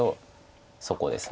そこです。